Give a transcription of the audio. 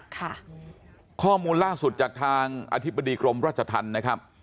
ข้อมูลล่าสุดจากทางอธิบดีกรมราชธรรมนะครับ